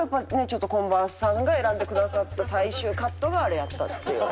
ちょっとコンバースさんが選んでくださった最終カットがあれやったっていう。